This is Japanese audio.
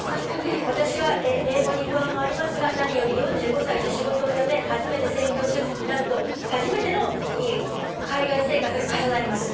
「私は英語に不安もありますが何より４５歳で仕事を辞め初めて専業主婦になると初めての海外生活が重なります」